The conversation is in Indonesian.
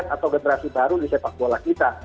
atau generasi baru di sepak bola kita